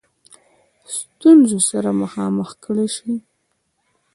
ستونزو سره مخامخ کړه سي.